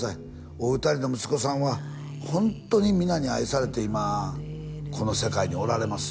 お二人の息子さんはホントに皆に愛されて今この世界におられます